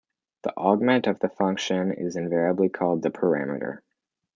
The argument of the function is invariably called "the parameter".